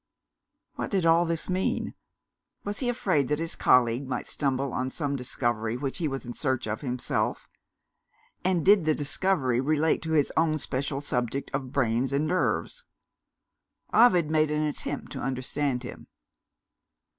What did all this mean? Was he afraid that his colleague might stumble on some discovery which he was in search of himself? And did the discovery relate to his own special subject of brains and nerves? Ovid made an attempt to understand him.